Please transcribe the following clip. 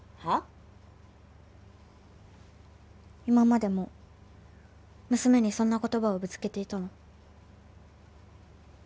今までも娘にそんな言葉をぶつけていたの？